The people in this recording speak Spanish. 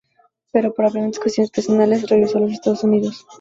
Pero por apremiantes cuestiones personales, regresó a los Estados Unidos.